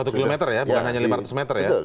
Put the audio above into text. satu kilometer ya bukan hanya lima ratus meter ya